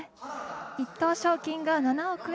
１等賞金が７億円。